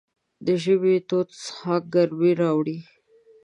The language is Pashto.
د ژمي تود څښاک ګرمۍ راوړي.